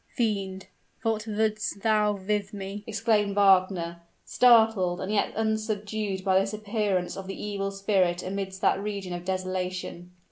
"Fiend! what wouldst thou with me?" exclaimed Wagner, startled and yet unsubdued by this appearance of the evil spirit amidst that region of desolation.